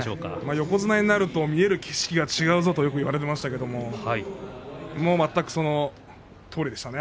横綱になると見える景色が違うぞとよく言われましたけれども全くそのとおりでしたね。